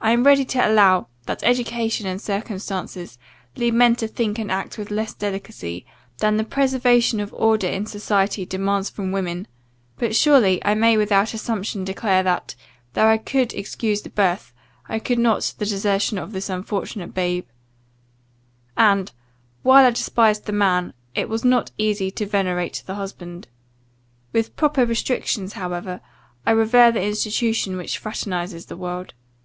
I am ready to allow, that education and circumstances lead men to think and act with less delicacy, than the preservation of order in society demands from women; but surely I may without assumption declare, that, though I could excuse the birth, I could not the desertion of this unfortunate babe: and, while I despised the man, it was not easy to venerate the husband. With proper restrictions however, I revere the institution which fraternizes the world.